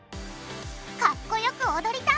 かっこよく踊りたい！